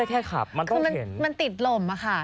ขึ้นมันติดลมมั้ยค่ะ